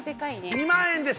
２万円です